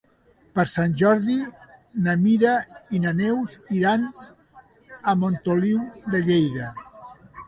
Per Sant Jordi na Mira i na Neus iran a Montoliu de Lleida.